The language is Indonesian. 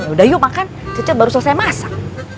udah yuk makan cecep baru selesai masak